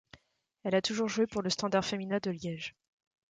Elle a toujours joué pour le Standard Fémina de Liège.